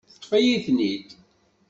Teṭṭfeḍ-iyi-ten-id.